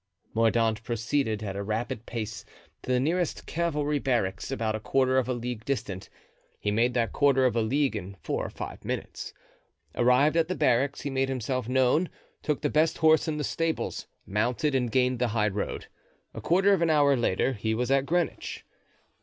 Mordaunt proceeded at a rapid pace to the nearest cavalry barracks, about a quarter of a league distant. He made that quarter of a league in four or five minutes. Arrived at the barracks he made himself known, took the best horse in the stables, mounted and gained the high road. A quarter of an hour later he was at Greenwich.